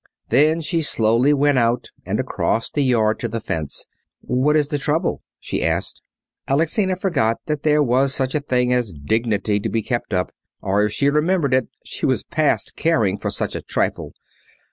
Then she slowly went out and across the yard to the fence. "What is the trouble?" she asked. Alexina forgot that there was such a thing as dignity to be kept up; or, if she remembered it, she was past caring for such a trifle.